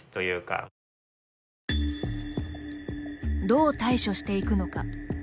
どう対処していくのか。